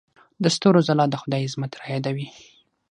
د ستورو ځلا د خدای عظمت رايادوي.